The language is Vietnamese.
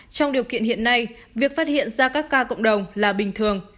trong điều kiện hiện nay việc phát hiện ra các ca cộng đồng là bình thường